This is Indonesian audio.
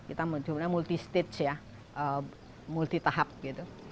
kita menjelaskan multi stage ya multi tahap gitu